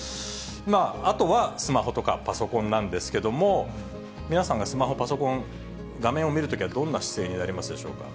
あとはスマホとかパソコンなんですけれども、皆さんがスマホ、パソコン、画面を見るときはどんな姿勢になりますでしょうか。